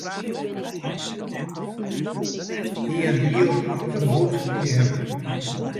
Hy hie in diel fan de bút by him.